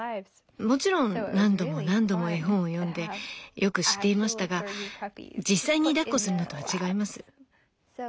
もちろん何度も何度も絵本を読んでよく知っていましたが実際にだっこするのとは違います。